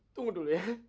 tunggu dulu ya